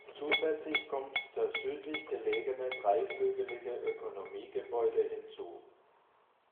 Zusätzlich kommt das südlich gelegene dreiflügelige Ökonomiegebäude hinzu.